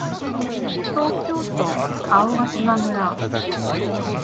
東京都青ヶ島村